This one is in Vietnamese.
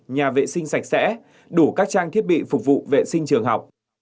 nhà vệ sinh sạch sẽ đủ các trang thiết bị phục vụ vệ sinh trường học